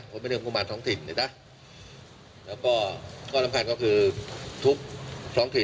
ผมไม่ได้มุมกุมันท้องถิ่นนะแล้วก็ข้อสำคัญก็คือทุกท่องถิ่น